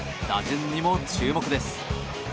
打順にも注目です。